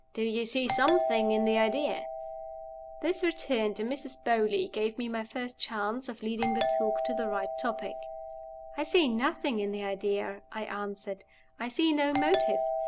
Do you see something in the idea?" This return to Mrs. Beauly gave me my first chance of leading the talk to the right topic. "I see nothing in the idea," I answered. "I see no motive.